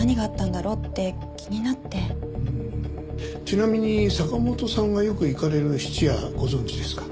ちなみに坂本さんがよく行かれる質屋ご存じですか？